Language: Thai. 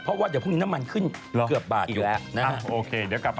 เพราะว่าเดี๋ยวพรุ่งนี้น้ำมันขึ้นเกือบบาทอีกแล้ว